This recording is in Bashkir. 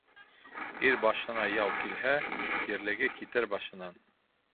Ир башына яу килһә, ирлеге китер башынан;